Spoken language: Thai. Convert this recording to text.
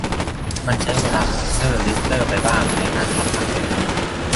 มันใช้เวลาของเซอร์ เลสเตอร์ไปบ้างในการสอบถามเรื่องนี้